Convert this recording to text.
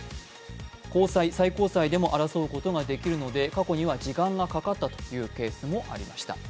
高裁、最高裁でも争うことができるので過去には時間がかかったケースもありました。